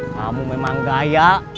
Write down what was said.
kamu memang gaya